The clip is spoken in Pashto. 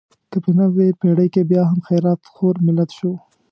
که په نوې پېړۍ کې بیا هم خیرات خور ملت شو.